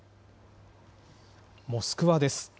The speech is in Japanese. モスクワです。